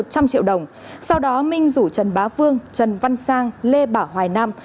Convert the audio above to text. một trăm linh triệu đồng sau đó minh rủ trần bá vương trần văn sang lê bảo hoài nam